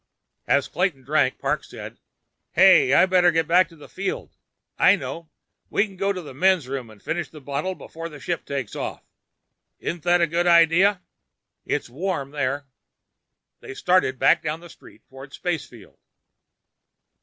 As Clayton drank, Parks said: "Hey! I better get back to the field! I know! We can go to the men's room and finish the bottle before the ship takes off! Isn't that a good idea? It's warm there." They started back down the street toward the spacefield.